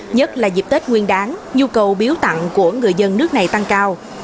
nhất là dịp tết nguyên đáng nhu cầu biếu tặng của người dân nước này tăng cao